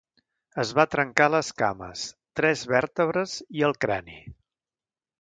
Es va trencar les cames, tres vèrtebres i el crani.